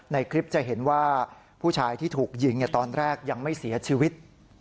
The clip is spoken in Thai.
ในคลิปจะเห็นว่าผู้ชายที่ถูกยิงตอนแรกยังไม่เสียชีวิต